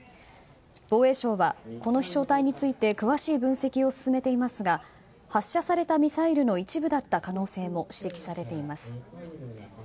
防衛省はこの飛翔体について詳しい分析を進めていますが発射されたミサイルの一部だった可能性も指摘されています。